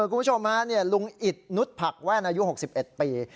คุณผู้ชมฮะลุงอิตนุษยผักแว่นอายุ๖๑ปี